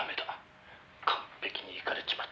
完璧にいかれちまってる」